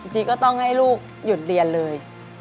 จีก็ต้องให้ลูกหยุดเรียนเลย